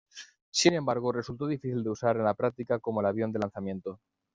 Sin embargo, resultó difícil de usar en la práctica como el avión de lanzamiento.